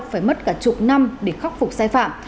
phải mất cả chục năm để khắc phục sai phạm